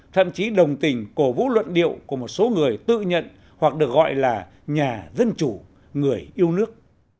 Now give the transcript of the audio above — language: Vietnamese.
thậm chí đồng tình cổ vũ luận điệu của một số người tự nhận hoặc được gọi là nhà dân chủ người yêu nước